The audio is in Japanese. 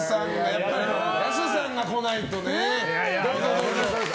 やっぱりやすさんが来ないとね。